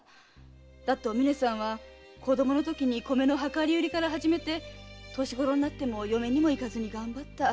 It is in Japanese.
だってお峰さんは子どものときに米の量り売りから始めて年ごろになっても嫁にも行かずに頑張った。